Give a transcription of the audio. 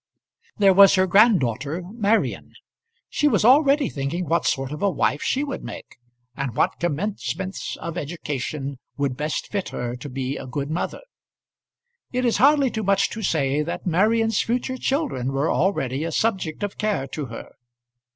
There was her granddaughter Marian. She was already thinking what sort of a wife she would make, and what commencements of education would best fit her to be a good mother. It is hardly too much to say that Marian's future children were already a subject of care to her.